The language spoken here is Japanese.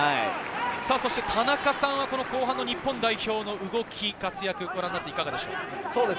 田中さんは後半の日本代表の動き、活躍、ご覧になっていかがでしょうか？